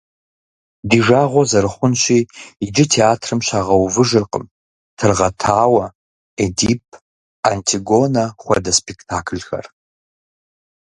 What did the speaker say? Ди жагъуэ зэрыхъунщи, иджы театрым щагъэувыжыркъым, «Тыргъэтауэ», «Эдип», «Антигонэ» хуэдэ спектаклхэр.